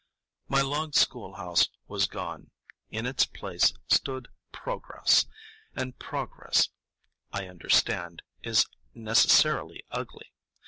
My log schoolhouse was gone. In its place stood Progress; and Progress, I understand, is necessarily ugly.